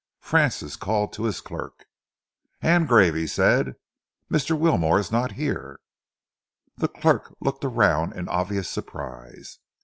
Francis called to his clerk. "Angrave," he said, "Mr. Wilmore is not here." The clerk looked around in obvious surprise.